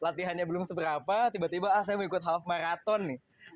latihannya belum seberapa tiba tiba ah saya mau ikut half maraton nih